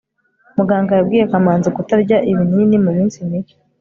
muganga yabwiye kamanzi kutarya ibinini muminsi mike